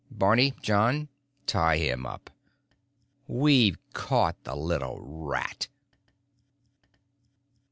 "Barney. John. Tie him up. We've caught the little rat!"